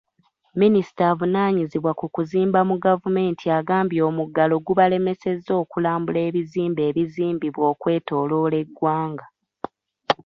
Minisita avunaanyizibwa ku kuzimba mu gavumenti agambye omuggalo gubalemesezza okulambula ebizimbe ebizimbibwa okwetooloola eggwanga.